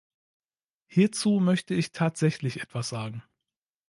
Hierzu möchte ich tatsächlich etwas sagen.